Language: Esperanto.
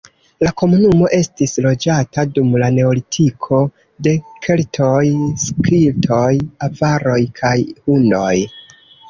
La komunumo estis loĝata dum la neolitiko, de keltoj, skitoj, avaroj kaj hunoj.